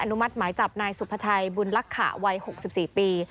มัติหมายจับนายสุภาชัยบุญลักษะวัย๖๔ปี